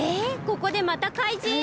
ここでまたかいじん！？